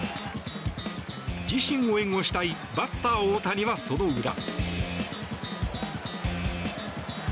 自身を援護したいバッター・大谷はその裏。